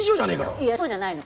いやそうじゃないの。